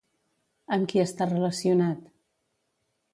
Amb qui està relacionat?